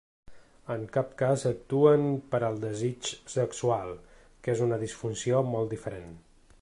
En cap cas actuen per al desig sexual, que és una disfunció molt diferent.